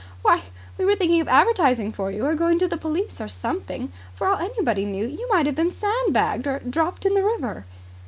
Why, we were thinking of advertising for you, or going to the police or something. For all anybody knew, you might have been sandbagged or dropped in the river."